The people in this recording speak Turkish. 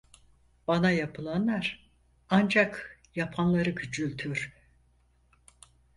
Bana yapılanlar ancak yapanları küçültür…